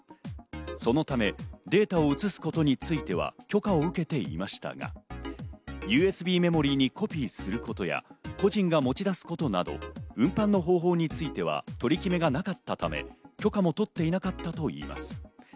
そのためデータを移すことに対しては許可を受けていましたが、ＵＳＢメモリーにコピーすることや、個人が持ち出すこと等、運搬の方法については取り決めがなかったため、許可も取っていなかったといいます。